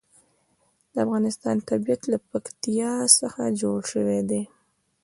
د افغانستان طبیعت له پکتیا څخه جوړ شوی دی.